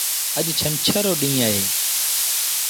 اَڄ ڇنڇر رو ڏيٚݩهݩ اهي۔